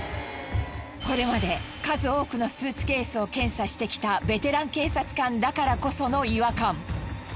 これまで数多くのスーツケースを検査してきたベテラン警察官だからこその違和感。